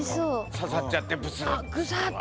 刺さっちゃってブスって。